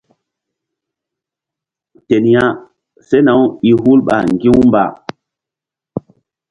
Ten ya sena-u i hul ɓa ŋgi̧-u mba.